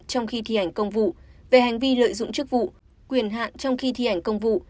trong khi thi hành công vụ về hành vi lợi dụng chức vụ quyền hạn trong khi thi hành công vụ